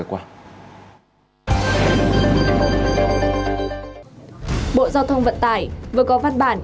bộ giao thông vận tải vừa có văn bản